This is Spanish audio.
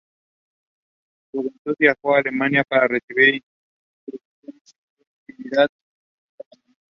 En su juventud viajó a Alemania para recibir instrucción musical, actividad que nunca abandonó.